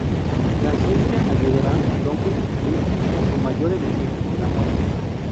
La ciencia ayudará al hombre a destruir a su mayor enemigo: la muerte.